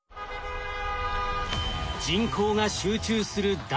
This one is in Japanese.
人口が集中する大都市。